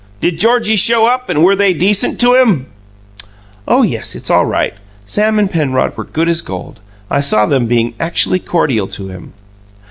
"Did Georgie show up, and were they decent to him?" "Oh, yes; it's all right. Sam and Penrod were good as gold. I saw them being actually cordial to him."